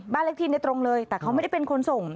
เลขที่ตรงเลยแต่เขาไม่ได้เป็นคนส่ง